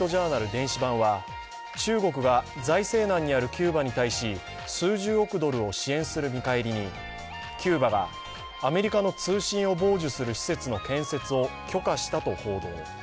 電子版は中国が財政難にあるキューバに対し数十億ドルを支援する見返りにキューバがアメリカの通信を傍受する施設の建設を許可したと報道。